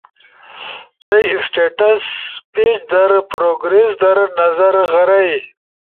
تھئی اسٹیٹس پیج در پروگریس در نظر غرئی۔